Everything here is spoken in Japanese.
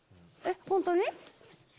本当に？